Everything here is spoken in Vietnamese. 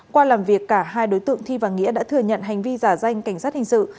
qua làm việc cả hai đối tượng thi và nghĩa đã thừa nhận hành vi giả danh cảnh sát hình sự